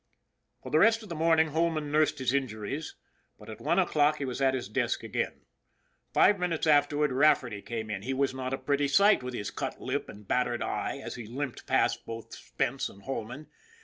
For the rest of the morning Holman nursed his in juries, but at one o'clock he was at his desk again. Five minutes afterward Rafferty came in. He was not a pretty sight with his cut lip and battered eye as he limped past both Spence and Holman.